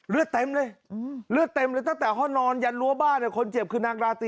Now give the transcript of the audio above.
เลือดเต็มเลยเลือดเต็มเลยตั้งแต่ห้องนอนยันรั้วบ้านคนเจ็บคือนางราตรี